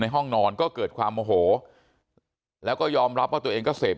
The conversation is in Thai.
ห้องนอนก็เกิดความโมโหแล้วก็ยอมรับว่าตัวเองก็เสพ